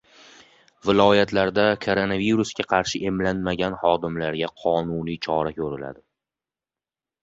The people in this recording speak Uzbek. Viloyatlarda koronavirusga qarshi emlanmagan xodimlarga qonuniy chora ko‘riladi